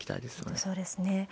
本当、そうですね。